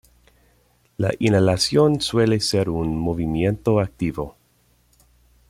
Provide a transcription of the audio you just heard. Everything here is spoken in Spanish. La inhalación suele ser un movimiento activo.